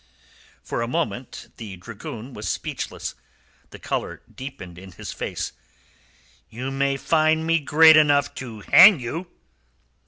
For a moment the dragoon was speechless. The colour deepened in his face. "You may find me great enough to hang you."